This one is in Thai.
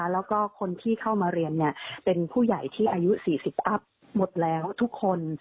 แล้วก็คนที่เข้ามาเรียนเป็นผู้ใหญ่ที่อายุ๔๐อัพหมดแล้วทุกคน